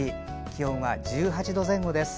気温は１８度前後です。